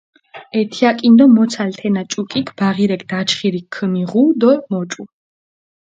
ეთიაკინ დო მოცალჷ თენა ჭუკიქ, ბაღირექ დაჩხირი ქჷმიღუ დო მოჭუ.